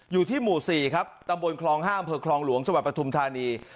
อยู่ที่หมู่สี่ครับตำบลคลองห้ามเผลอคลองหลวงสวัสดิ์ประทุมฐานี